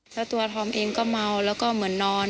แล้วตัวธอมเองก็เมาแล้วก็เหมือนนอน